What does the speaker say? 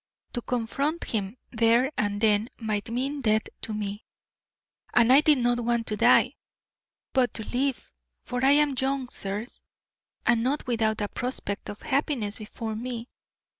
To confront him there and then might mean death to me, and I did not want to die, but to live, for I am young, sirs, and not without a prospect of happiness before me.